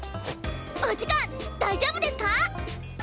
お時間大丈夫ですか？